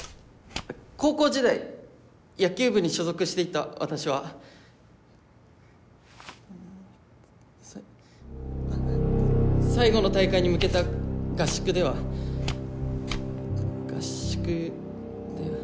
高校時代野球部に所属していた私はさ最後の大会に向けた合宿では合宿で。